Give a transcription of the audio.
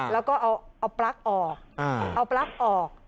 แล้วก็เอาปลั๊กออก